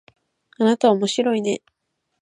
あなたおもしろいね